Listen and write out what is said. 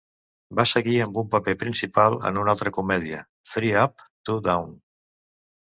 Va seguir amb un paper principal en una altra comèdia, "Three Up, Two Down".